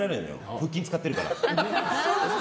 腹筋使ってるから。